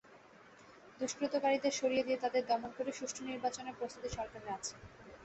দুষ্কৃতকারীদের সরিয়ে দিয়ে তাদের দমন করে সুষ্ঠু নির্বাচনে প্রস্তুতি সরকারের আছে।